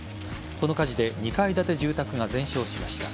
この火事で２階建ての住宅が全焼しました。